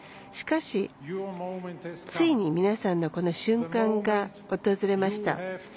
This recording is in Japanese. しかし、ついに皆さんのこの瞬間が訪れました。